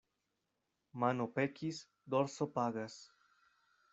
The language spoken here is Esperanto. Mano pekis, dorso pagas.